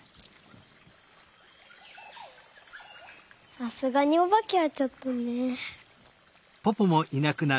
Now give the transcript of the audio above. さすがにおばけはちょっとね。